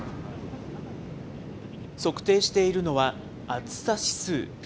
測定しているのは暑さ指数。